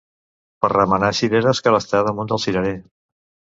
Per remenar cireres cal estar damunt del cirerer.